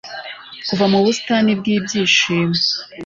kuva mu busitani bw'ibyishimo